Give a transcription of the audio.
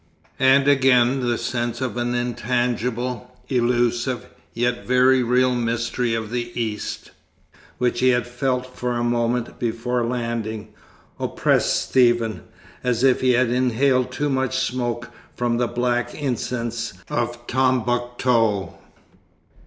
And again the sense of an intangible, illusive, yet very real mystery of the East, which he had felt for a moment before landing, oppressed Stephen, as if he had inhaled too much smoke from the black incense of Tombouctou.